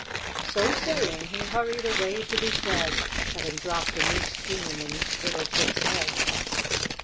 So saying, he hurried away to be fed, Having dropped a new scheme in each little chick's head.